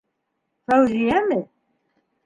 Фәүзиәме?